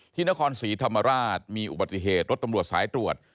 ที่นครศรีธรรมราชมีอุบัติเหตุรถตำรวจสายตรวจ